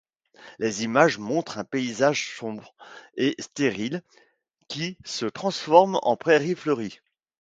Les images montrent un paysage sombre et stérile qui se transforme en prairie fleurie.